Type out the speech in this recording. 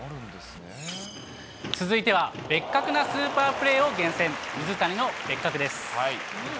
続いてはベッカクなスーパープレーを厳選、水谷のベッカク！です。